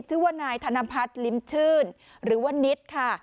ชื่อว่านายธนพัฒน์ลิ้มชื่นหรือว่านิดค่ะ